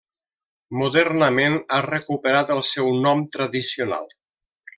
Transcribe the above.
Modernament ha recuperat el seu nom tradicional.